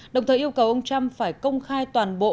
đồng thời yêu cầu ông trump phải công khai toàn bộ